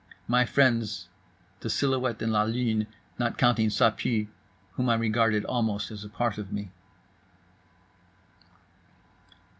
My friends: the silhouette and la lune, not counting Ça Pue, whom I regarded almost as a part of me.